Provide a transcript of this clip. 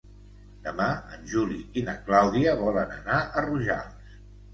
Demà en Juli i na Clàudia volen anar a Rojals.